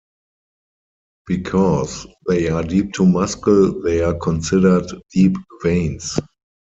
Because they are deep to muscle, they are considered deep veins.